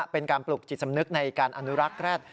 เป็นการปลุกจิตสำนึกในการอนุรักษ์แร็ด